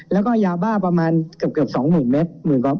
แล้วก็ยาบ้าประมาณเกือบ๒๐๐๐เมตร